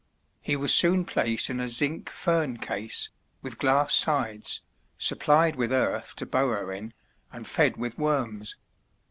He was soon placed in a zinc fern case, with glass sides, supplied with earth to burrow in, and fed with worms.